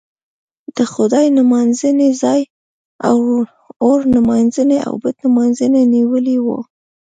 د خدای نمانځنې ځای اور نمانځنې او بت نمانځنې نیولی و.